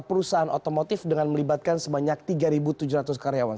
perusahaan otomotif dengan melibatkan sebanyak tiga tujuh ratus karyawan